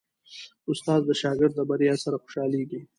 استاد د شاګرد د بریا سره خوشحالېږي.